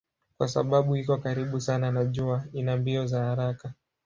Kwa sababu iko karibu sana na jua ina mbio za haraka.